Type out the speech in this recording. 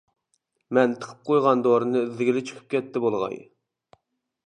مەن تىقىپ قويغان دورىنى ئىزدىگىلى چىقىپ كەتتى بولغاي.